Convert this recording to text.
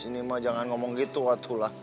ini mas jangan ngomong gitu waduh lah